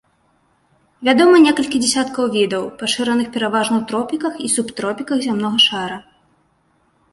Вядомы некалькі дзясяткаў відаў, пашыраных пераважна ў тропіках і субтропіках зямнога шара.